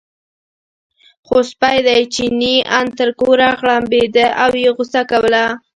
خو سپی دی، چیني ان تر کوره غړمبېده او یې غوسه کوله.